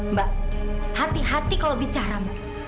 mbak hati hati kalau bicara mbak